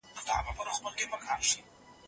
موږ به په راتلونکي کي نور پرمختګ وکړو.